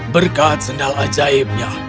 berkat sendal ajaibnya